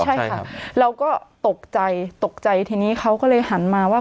ใช่ค่ะเราก็ตกใจตกใจทีนี้เขาก็เลยหันมาว่า